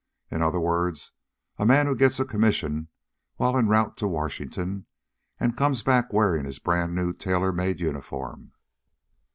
In other words, a man who gets a commission while en route to Washington, and comes back wearing his brand new tailor made uniform.